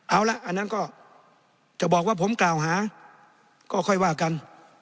เอาละอันนั้นก็จะบอกว่าผมกล่าวหาก็ค่อยว่ากัน